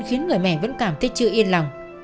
khiến người mẹ vẫn cảm thấy chưa yên lòng